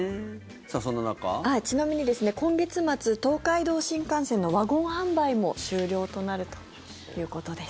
ちなみにですね、今月末東海道新幹線のワゴン販売も終了となるということです。